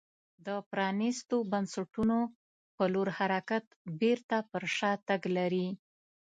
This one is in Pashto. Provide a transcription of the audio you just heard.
د پرانیستو بنسټونو په لور حرکت بېرته پر شا تګ لري.